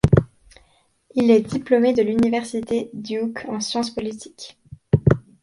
Il est diplômé de l'université Duke en sciences politiques.